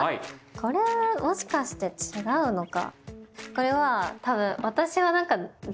これもしかして違うのか？